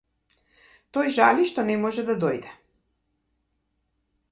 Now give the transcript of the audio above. Тој жали што не може да дојде.